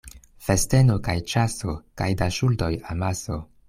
Festeno kaj ĉaso kaj da ŝuldoj amaso.